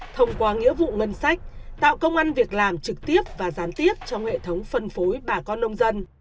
thông qua nghĩa vụ ngân sách tạo công an việc làm trực tiếp và gián tiếp trong hệ thống phân phối bà con nông dân